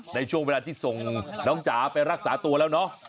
ในช่วงเวลาที่ส่งน้องจ๋าไปรักษาตัวแล้วเนาะ